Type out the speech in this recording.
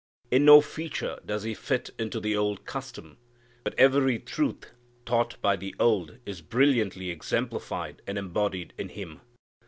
In no feature does He fit into the old custom. But every truth taught by the old is brilliantly exemplified and embodied in Him.